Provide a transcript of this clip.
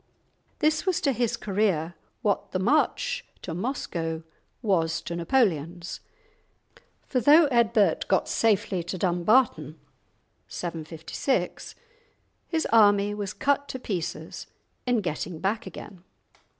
This was to his career what the march to Moscow was to Napoleon's, for, though Eadbert got safely to Dumbarton (756) his army was cut to pieces in getting back again.